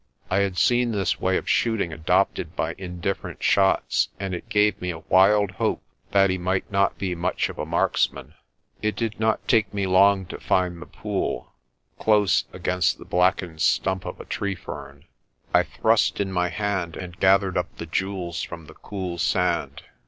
I had seen this way of shooting adopted by indifferent shots, A DEAL AND ITS CONSEQUENCES 209 and it gave me a wild hope that he might not be much of a marksman. It did not take me long to find the pool, close against the blackened stump of a tree fern. I thrust in my hand and gathered up the jewels from the cool sand.